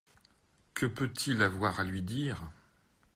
Que peut-il avoir à lui dire ?